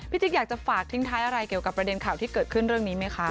จิ๊กอยากจะฝากทิ้งท้ายอะไรเกี่ยวกับประเด็นข่าวที่เกิดขึ้นเรื่องนี้ไหมคะ